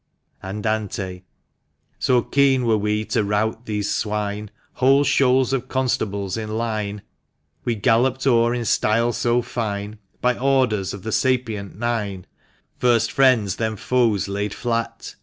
Andante. So keen were we to rout these swine, Whole shoals of constables in line We galloped o'er in style so fine, By orders of the SAPIENT NINE — First friends, then foes, laid flat.